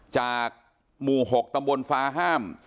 จากหมู่๖ตำบลฟ้าห้าม